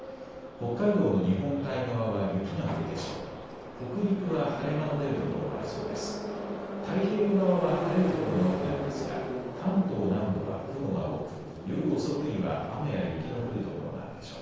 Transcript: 北海道の日本海側は雪が降るでしょう。